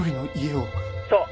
そう！